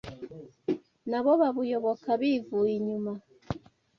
nabo babuyoboka bivuye inyuma